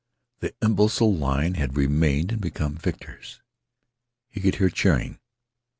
The imbecile line had remained and become victors. He could hear cheering.